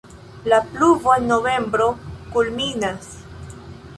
La pluvo en novembro kulminas.